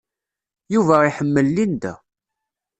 Yuba iḥemmel Linda.